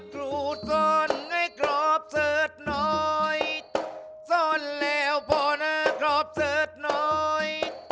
ขรูสอนให้กรอบเสือดน้อยสอนแล้วป่อเล่ากรอบเสือดน้อย